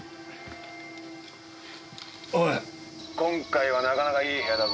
おい今回はなかなかいい部屋だぞ。